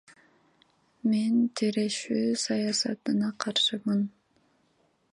Мен тирешүү саясатына каршымын.